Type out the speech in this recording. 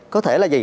có thể là gì